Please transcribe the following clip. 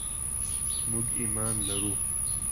موږ ایمان لرو.